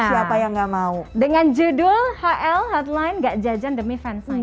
siapa yang nggak mau dengan judul hl hotline gak jajan demi fansign